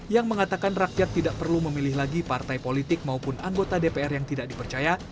yang mengatakan rakyat tidak perlu memilih lagi partai politik maupun anggota dpr yang tidak dipercaya